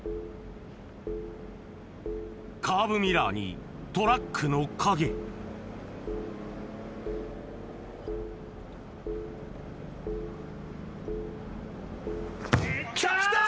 カーブミラーにトラックの影来た！